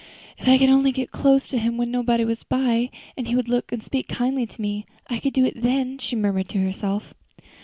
"If I could only get close to him when nobody was by, and he would look and speak kindly to me, I could do it then," she murmured to herself.